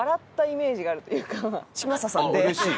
嶋佐さんで？